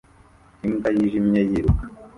Imbwa yijimye yiruka